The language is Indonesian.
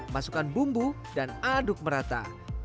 masukkan bumbu dan aduk merata